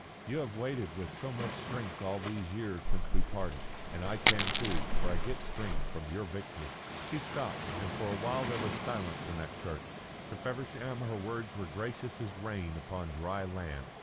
You have waited with so much strength all these years since we parted. And I can too, for I get strength from your victory." She stopped, and for a while there was silence in that church. To Feversham her words were gracious as rain upon dry land.